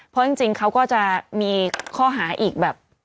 เพราะจริงเขาก็จะมีข้อหาอีกแบบ